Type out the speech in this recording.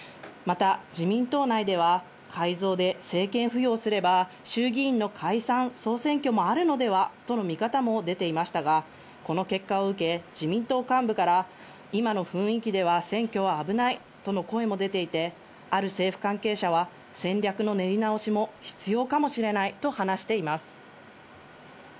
また自民党内では、改造で政権浮揚すれば、衆議院の解散総選挙もあるのではとの見方も出ていましたが、この結果を受け、自民党幹部から今の雰囲気では選挙は危ないとの声も出ていて、ある政府関係者は戦略の練り直しも必要かもしれないと話しています。